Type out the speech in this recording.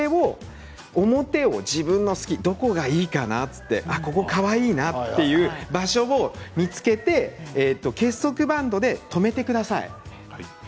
表を、自分のどこがいいかなどこがかわいいなという場所を見つけて結束バンドで留めてください。